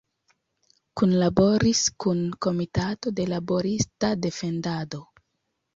Kunlaboris kun Komitato de Laborista Defendado.